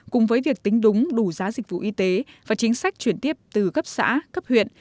cùng với việc tính đúng đủ giá dịch vụ y tế và chính sách chuyển tiếp từ cấp xã cấp huyện